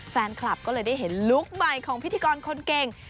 แฟนคลับก็เลยได้เห็นลุคใหม่ของพิธีกรคนเก่ง